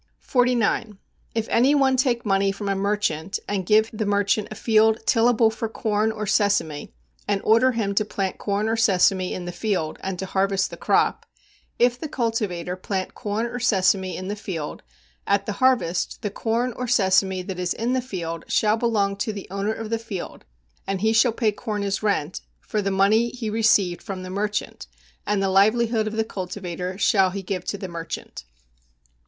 49. If any one take money from a merchant, and give the merchant a field tillable for corn or sesame and order him to plant corn or sesame in the field, and to harvest the crop; if the cultivator plant corn or sesame in the field, at the harvest the corn or sesame that is in the field shall belong to the owner of the field and he shall pay corn as rent, for the money he received from the merchant, and the livelihood of the cultivator shall he give to the merchant.